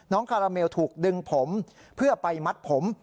คาราเมลถูกดึงผมเพื่อไปมัดผม